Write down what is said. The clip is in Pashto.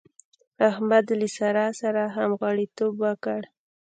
احمد له سارا سره همغاړيتوب وکړ.